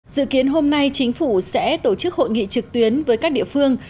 dự kiến hôm nay chính phủ sẽ tổ chức hội nghị trực tuyến với các địa phương